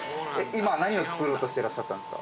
今何を作ろうとしてらっしゃったんですか？